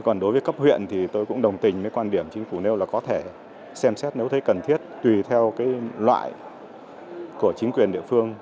còn đối với cấp huyện thì tôi cũng đồng tình với quan điểm chính phủ nêu là có thể xem xét nếu thấy cần thiết tùy theo cái loại của chính quyền địa phương